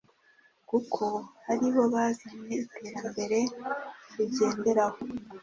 kuko aribo bazanye iterambere tujyenderaho